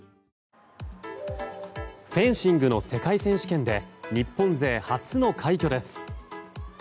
フェンシングの世界選手権で日本勢初の快挙です。